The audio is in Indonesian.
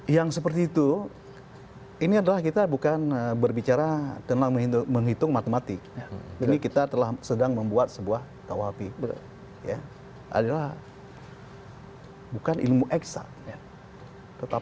yang seperti itu yang langsung menghina